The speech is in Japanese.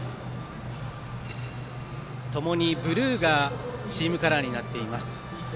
ともにブルーがチームカラーになっています。